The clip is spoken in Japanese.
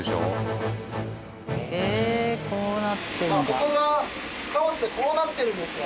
ここが貨物ってこうなってるんですね。